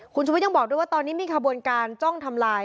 คุณชุวิตยังบอกด้วยว่าตอนนี้มีขบวนการจ้องทำลาย